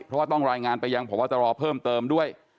เพราะว่าต้องรายงานไปยังพบตรเพิ่มเติมด้วย